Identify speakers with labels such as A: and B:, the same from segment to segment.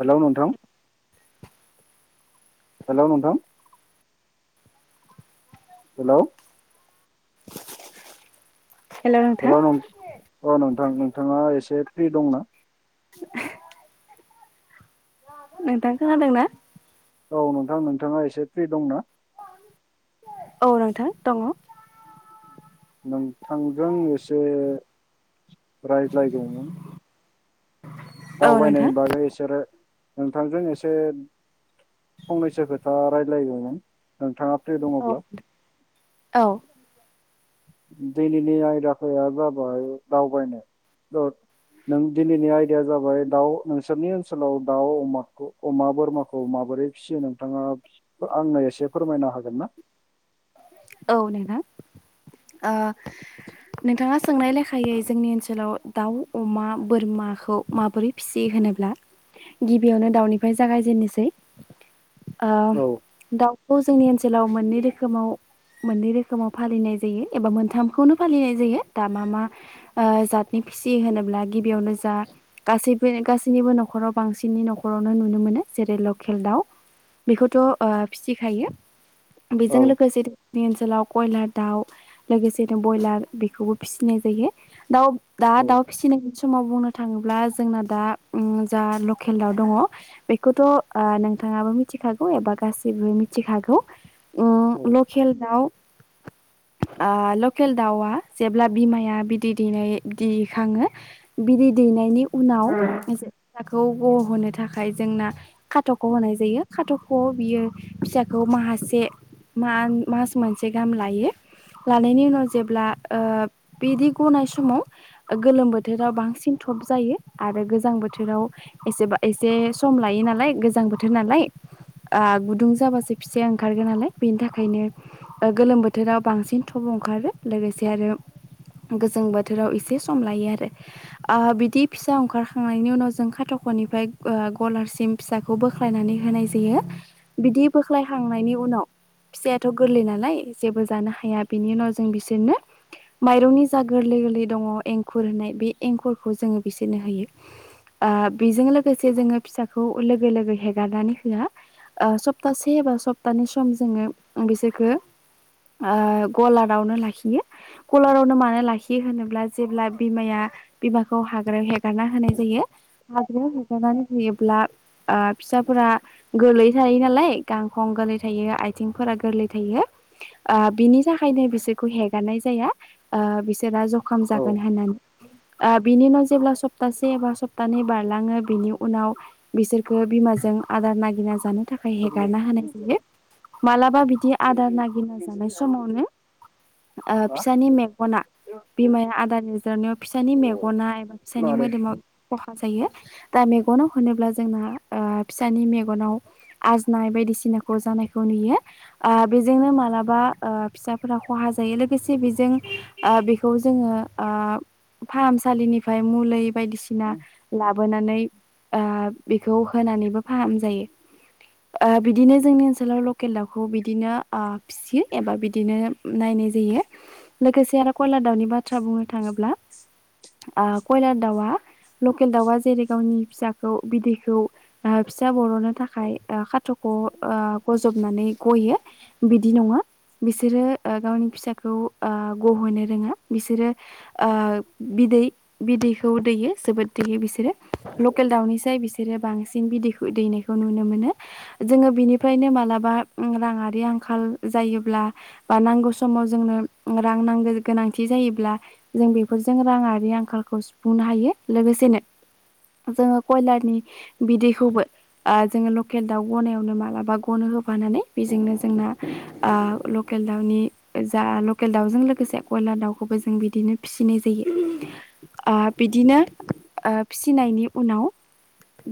A: Hello नोंथां। Hello नोंथां hello
B: hello नोंथां
A: हेलौ नों अ नोंथां नोंथाङा एसे फ्रि दंना?
B: नोंथां खोनादों ना?
A: औ नोंथां नोंथाङा एसे फ्रि दंना?
B: औ नोंथां दङ।
A: नोंथांजों एसे रायज्लायगौमोन।
B: औ नोंथां
A: दावबायनायनि बागै इसोरो नोंथांजों एसे फंनैसो खोथा रायज्लायगोन नोंथाङा फ्रि
B: औ
A: दङब्ला।
B: औ
A: दिनैनि आयदाफोरा जाबाय दावबायनाय नों दिनैनि आयदाया जाबाय दाउ नोंसोरनि ओनसोलाव दाउ अमाखौ अमा बोरमाखौ मा बोरै फिसियो नोंथाङा आंनो एसे फोरमायनो हागोन ना?
B: औ नोंथां ओ नोंथाङा सोंनाय लेखायै जोंनि ओनसोलाव दाउ अमा बोरमाखौ माबोरै फिसियो होन ब्ला गिबियावनो दाउनिफ्राय जागायजेनोसै ओ
A: औ
B: दाउखौ जोंनि ओनसोलाव मोननै रोखोमाव मोननै रोखोमाव फालिनाय जायो एबा मोनथामखौनो फालिनाय जायो दा मा मा ओ जातनि फिसि होनोब्ला गिबियावनो जा गासैबो गासैनिबो न'खराव बांसिननि न'खरावनो नुनो मोनो जेरै लकेल दाउ बेखौथ' ओ फिसिखायो बेजों
A: औ
B: लोगोसे जोंनि ओनसोलाव कयलार दाउ लोगोसेनो बयलार बेखौबो फिसिनाय जायो दाउ दा
A: औ
B: दाउ फिसिनायनि समाव बुं थाङोब्ला जोंना दा जा ओम लकेल दाउ दङ बेखौथ' ओ नोंथाङाबो मिथि खागौ एबा गासैबो मिथिखागौ ओम
A: ओम
B: खेलदाव
A: [inaudible]
B: ओ लकेल दाउआ जेब्ला बिमाया बिदै दैनाय दैखाङो बिदै दैनायनि उनाव जाखौ गहोनो थाखाय जोंना खाट'खौ होनाय जायो खाट' खौ बियो फिसाखौ मासे मास मोनसे गाहाम लायो। लानायनि उनाव जेब्ला ओ बिदि गनाय समाव गोलोम बोथोराव बांसिन जायो आरो गोजां बोथोराव एसे एसे सम लायो नालाय गोजां बोथोर नालाय ओ गुदुं जाबासो फिसाया ओंखारगोन नालाय बेनि थाखायनो गोलोम बोथोराव बांसिन थब ओंखारो लोगोसे आरो गोजां बोथोराव एसे सम लायो आरो ओ बिदि फिसा ओंखारखांनायनि उनाव जों खाथ' नखरनिफ्राय गलारसिम फिसाखौ बोख्लायनानै होनाय जायो बिदि बोख्लायखांनायनि उनाव फिसायाथ' गोरलै नालाय जेबो जानो हाया बिनि उनाव जों बिसोरनो माइरंनि जा गोरलै गोरलै दङ एंखुर होननाय बे एंखरखौ जोङो बिसोरनो होयो ओ बेजों लोगोसे जोङो फिसा खौ लोगो लोगो हेगारनानै होआ ओ सप्तासे एबा सप्तानै सम जोङो आं बिसोरखौ ओ गलारावनो लाखियो गलारावनो मानो लाखियो होनोब्ला जेब्ला बिमाया बिबारखौ हाग्रायाव हेगारना होनाय जायो। हाग्रायाव हगारनानै होयोब्ला ओ फिसाफोरा गोरलै थायो नालाय गांखं गोरलै थायो आथिंफोरा गोरलै थायो। बिनि थाखायनो बिसोरखौ हेगारनाय जाया ओ बिसोरा ज खम जागोन
A: औ
B: होन्नानै बिनिनो जेब्ला सप्तासे एबा सप्तानै बारलाङो बिनि उनाव बिसोरखो बिमाजों आदार नागिरना जानो थाखाय
A: मा
B: हेगारना होनाय जायो मालाबा बिदि आदार नागिरना जानाय समावनो फिसानि मेगना बिमाया आदार लजिरनायाव फिसानि मेगना एबा फिसानि
A: मारै
B: मोदोमाव खखा जायो दा मेनाव होनोब्ला जोंना फिसानि मेगनाव आजनाय बायदिसिना खौ जानाय नुयो बेजोंनो मालाबा फिसाफोरा खहा जायो लोगोसे बेजों बेखौ जोंङो फाहाम सालिनिफ्राय मुलै बायदिसिना ला बोनानै बेखौ होनानैबो फाहामनाय जायो। बिदिनो जोंनि ओनसो लाव लकेल दाउखौ बिदिनो फिसियो एबा बिदिनो नायनाय जायो लोगोसे खयला दाउनि बाथ्रा बुंनो थाङोब्ला कयला दाउआ लकेल दाउआ जेरै गावनि फिसाखौ बिदैखौ फिसा बर'नो थाखाय खाथ' खआव बजबनानै गयो बिदि नङा बिसोरो गावनि फिसाखौ गह'नो रोङा बिसोरो बिदै बिदैखौ दैयो जोबोद गथिखे बिसोरो लकेल दाउनिसाय बिसोरो बांसिन बिदैखौ दैनायखौ नुनो मोनो जोङो बिनि फ्रायनो मालाबा राङारि आंखाल जायोब्ला बा नांगौ समाव जोंनो रां नांगो गोनांथि जायोब्ला जों बेफोरजों राङारि आंखालखौ सुफुंनो हायो लोगोसेनो जोङो कयलारनि बिदैखौबो जोङो लकेल दाउ गनायावनो मालाबा गनो होफानानै बेजोंनो जोंना लकेल दाउनि जा लकेल दाउजों लोगोसे बयलार दाउखौबो जों बिदिनो फिसिनाय जायो। बिदिनो फिसिनायनि उनाव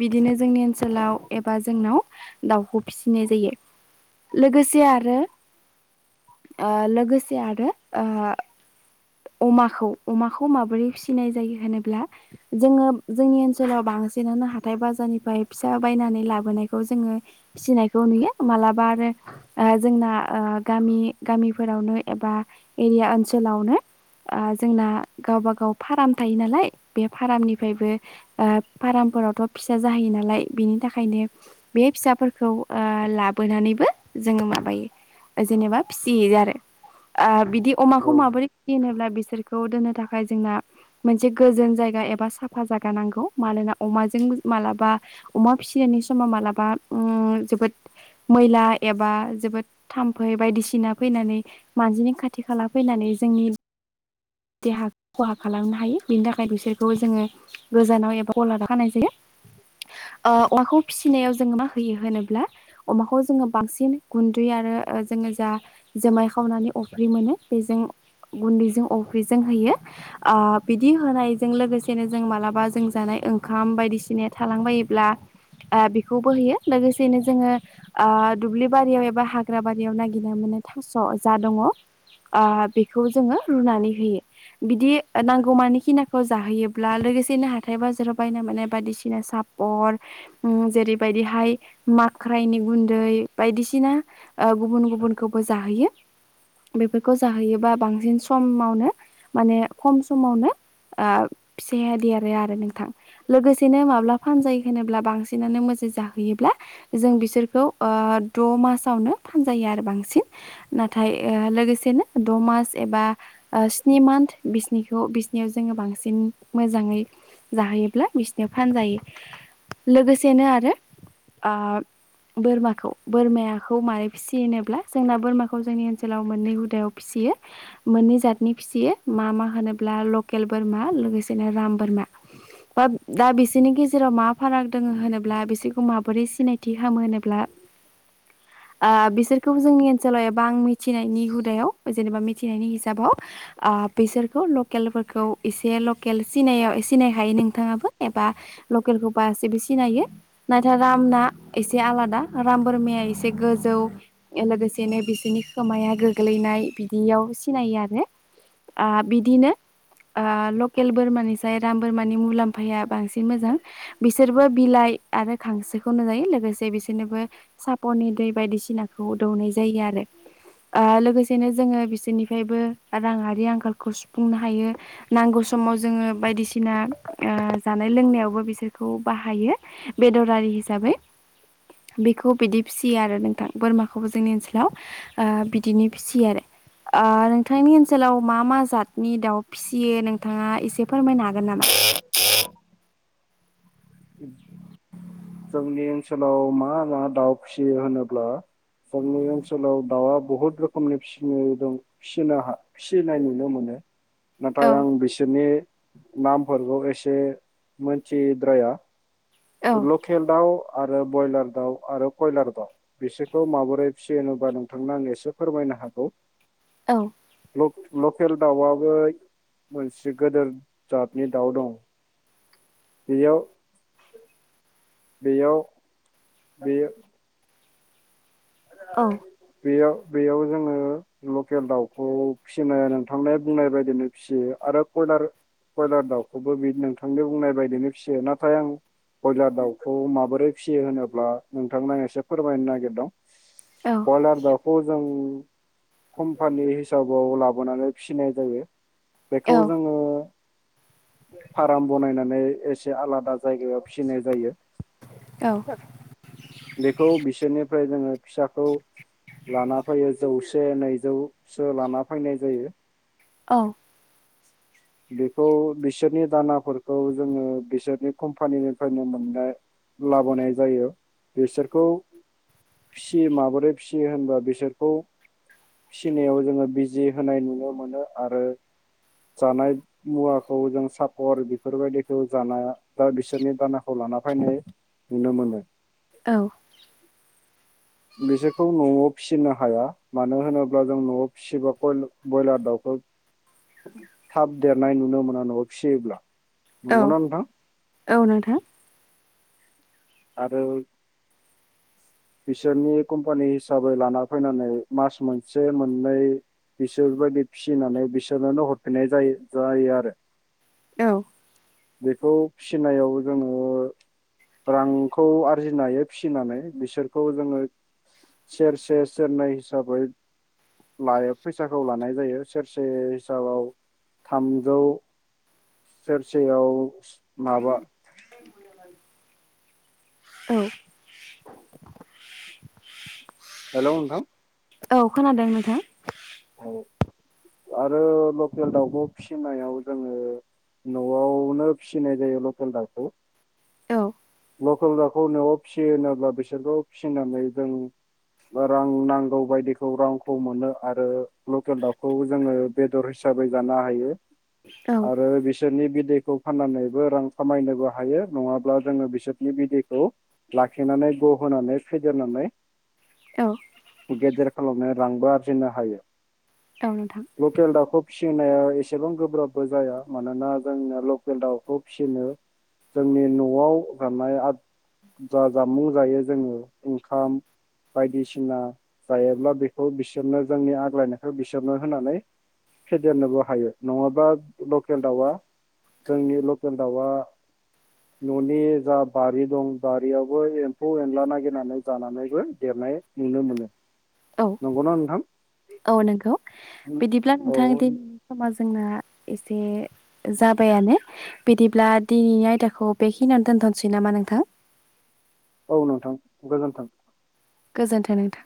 B: बिदिनो जोंनि ओनसोलाव एबा जोंनाव दाउखौ फिसिनाय जायो लोगोसे आरो लोगोसे आरो ओ अमाखौ अमाखौ माबोरै फिसिनाय जायो होनोब्ला जोङो जोंनि ओनसोलाव बां बांसिनानो हाथाय बाजारनिफ्राय फिसा बायनानै लाबोनायखौ जोङो फिनायखौ नुयो मालाबा आरो जोंना गामि गामिफोरावनो एबा एरिया ओनसोलावनो जोंना गावबा गाव फार्म थायो नालाय बे फार्मनिफ्रायबो फार्म आवथ' फिसा जाहैयो नालाय बेनि थाखायनो बे फिसाफेर खौ लाबोनानैबो जोङो माबायो जेनेबा फिसियो आरो। बिदि अमाखौ
A: औ
B: माबोरै फि होनोब्ला बिसोर खौ दोननो थाखाय जोंना मोनसे गोजोन जायगा एबा साफा जायगा नांगौ मानोना अमाजों मालाबा अमा फिसिनायनि समाव मालाबा जोबोद मैला एबा जोबोद थाम्फै बायदिसिना फैनानै मानजिनि खाथि खाला फैनानै जोंनि देहा खहा खालामनो हायो बिनि थाखाय बिसोरखौ जोङो गोजानाव एबा गलादाव खानाय जायो। अमाखौ फिसिनायाव जोङो मा होयो होनोब्ला अमाखौ जोङो बांसिन गुन्दै आरो जोङो जा जुमाय खावनानै अफ्रि मोन बेजों गुन्दैजों अफ्रिजों होयो बिदि होनायजों लोगोसेनो जों मालाबा जों जानाय ओंखाम बायदि बिसिनो थालांबायोब्ला बिखौबो होयो लोगोसेनो जोङो दुब्लिबारि याव एबा हाग्रा बारियाव नागिरना माने थास' जा दङ बेखौ जोङो रुनानै होयो। बिदि नांगौमानि खिनाखौ जाहोयोब्ला लोगोसेनो हाथाय बाजाराव बायना मानाय बायदिसिना साफ अन जेरैबायदिहाय माख्रायनि गुन्दै बायदिसिना गुबुन गुबुन खौबो जाहोयो बेफोरखौ जाहोयोब्ला बांसिन सु समावनो माने खम समावनो ओ फिसायादि आरो आरो नोंथां लोगोसेनो माब्ला फानजायो होनोब्ला बांसिनानो मोजां जाहोयोब्ला जों बिसोरखौ ओ द' मासावनो फानजायो आरो बांसिन नाथाय लोगोसेनो द' मास एबा स्नि मान्थ बिसनिखौ बिसनियाव जोङो बांसिन मोजाङै जाहोयोब्ला बिसनोाव फानजायो लोगोसेनो आरो ओ बोरमाखौ बोरमाखौ माय फिसिनोब्ला जोंना बोरमाखौ जोंनि ओनसोलाव मोननै हुदायाव फिसियो। मोननै जतनि फिसियो मा मा होनोब्ला लकेल बोरमा लोगोसेनो राम बोरमा। बा दा बिसोरनि गेजेराव मा फाराग दङ होनोब्ला बिसोरखौ माबोरै सिनायथि खालामो होनोब्ला
A: [inaudible]
B: बिसोरखौ जोंनि ओनसोलाव एबा आं मिथिनायनि हुदायाव जेनेबा मिथि सिनायनि हिसाबाव बिसोरखौ लकेलफोरखौ एसे लकेल सिनायाव सिनाय हायो नोंथाङाबो ए बा लकेलखौ बाससिबो सिनायो नाथाय रामना एसे आलादा राम बोरमाया एसे गोजौ लोगोसेनो बिसोरनि खोमाया गोग्लैनाय बिदियाव सिनायो आरो। ओ बिदिनो लकेल बोरमानिफ्रायाय राम बोरमानि मुलामफ फाया बांसिन मोजां बिसोरबो बिलाइ आरो खांसोखौनो जायो लोगोसे बिसोरनोबो सापरनि दै बायदिसिनाखौ दौनाय जायो आरो ओ लोगोसेनो जोङो बिसोरनिफ्रायबो राङारि आंखालखौ सुफुंनो हायो नांगौ समाव जोङो बायदिसिना ओ जानाय लोंनायावबो बिसोरखौ बाहायो बेदरारि हिसाबै। बेखौ बिदि फिसियो आरो नोंथां बोरमाखौबो जोंनि ओनसोलाव बिदिनो फिसियो आरो। ओ नोंथांनि ओनसोलाव मा मा जतनि दाउ फिसियो नोंथाङा एसे फोरमायनो हागोन नामा?
A: जोंनि ओनसोलाव मा मा दाउ फिसियो होनोब्ला जोंनि ओनसोलाव दाउआ बहुद रोखोमनि फिसिनो दंनो फिसिनाय नुनो मोनो। [inaudible] नाथाय
B: औ
A: आं बिसोरनि नामफोरखौ एसे मोनथिद्राया।
B: औ
A: लखेल दाउ आरो ब्रयलार दाउ आरो कयलार दा बिसोरखौ माबोरै फिसियो होनोबा नोंथांनो आं एसे फोरमायनो। हागौ
B: औ
A: लकेल दाउआबो मोनसे गदेर जातनि दाउ दं। बियाव बेयाव बेयो
B: औ
A: बियाव बेयाव जोङो लकेल दाउखौ फिसिनाय नोंथांनाया बुंनाय बायदिनो फिसियो आरो ब ब्रयलार दाउखौबो बि नोंथांनि बुंनाय बायदिनो फिसियो नाथाय आं ब्रयलार दाउखौ माबोरै फिसियो होनोब्ला नोंथांना एसे फोरमायनो नागिरदों।
B: औ
A: बयलार दाउखौ जों कम्पानि हिसाबाव लाबोनानै फिनाय जायो बेखौ
B: औ
A: जोङो फार्म बनायनानै एसे आलादा जायगायाव फिनाय जायो। बेखौ बिसोरनिफ्राय जोङो फिसाखौ लाना फैयो जौसे नैजौसो लाना फैनाय जायो।
B: औ
A: [inaudible] बेखौ बिसोरनि दानाफोरखौ जोङो बिसोरनि कम्पानिनिफ्रायनो मोननाय लाबोनाय जायो बिसोरखौ फिसियो माबोरै फिसियो होनबा बिसोरखौ। फिसिनायाव जोङो बिजि होनाय नुनो मोनो आरो। जानाय मुवाखौ जों सापर बेफोरबायदिखौ जानाया दा बिसोरनि दानाखौ। लाफायनाय नुनो मोनो।
B: औ
A: बिसोरखौ न'आव फिसिनो हाया, मानो होनोब्ला जों न'आव फिसिबा ब्रयलार दाउखौ थाब देरनाय नुनो मोना न'आव फिसियोब्ला
B: औ
A: नंगौना नोंथां
B: औ नोंथां।
A: आरो बिसोरनि कम्पानि हिसाबै लाना फैनानै मास मोनसे मोननै बिसोरबायदि फिसिनानै बिसोरनोनो हरफिननाय जायो जायो आरो।
B: औ
A: बेखौ फिनायाव जोङो रांखौ आरजिनो हायो फिसिनानै बिसोरखौ जोङो सेरसे सेरनै हिसाबै लायो फैसाखौ लानाय जायो सेरसे हिसाबाव थामजौ सेरसेयाव माबा
B: औ
A: हेलौ नोंथां।
B: औ खोनादों नोंथां।
A: आरो लकेल दाउखौ फिसिनायाव जोङो न'आवनो फिसिनाय जायो लकेल दाउखौ।
B: औ
A: लकेल दाउखौ न'आव फिसियो होनोब्ला बिसोरखौ फिसिनानै जों रां नांगौ बायदिखौ रांखौ मोनो आरो लकेल दाउखौ जोङो बेदर हिसाब साबै जानो हायो।
B: औ
A: आरो बिसोरनि बिदैखौ फाननानैबो रां खामायनोबो हायो नङाब्ला जोङो बिस सोरनि बिदैखौ लाखिनानै ग'होनानै फेदेरनानै
B: औ
A: गेदेर खालामनाया रांबो आरजिनो हायो
B: नोंथां
A: लकेल दाउखौ फिस फिनाया एसेबां गोब्राबबो जाया मानोना जोंना लकेल दाउखौ फिनो जोंनि न'आव गाननाय आ जा जामुं जायो जोङो ओंखाम बायदिसिना जायोब्ला बेखौ बिसोरनो जोंनि आग्लायनायखौ बिसोरनो होनानै फेदेरनोबो हायो नङाबा लकेल दाउआ जोंनि लकेल दाउआ न'नि जा बारि दं बारियावबो एम्फौ एनला नागिरनानै जानानैबो देरनाय नुनो मोनो।
B: औ
A: नंगौना नोंथां?
B: औ नंगौ बिदिब्ला
A: औ
B: नोंथां दिनै समा जोंना एसे जाबायानो। बिदिब्ला दिनैनि आयदाखौ बेखिनियावनो दोनथ'नोसै नामा नोंथां?
A: औ नोंथां गोजोनथों।
B: गोजोन्थो नोंथा।